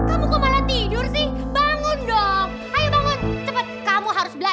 aku papa anjir keisha jadi aku berhak atas keisha